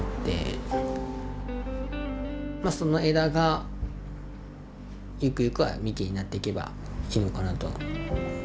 まあその枝がゆくゆくは幹になっていけばいいのかなと。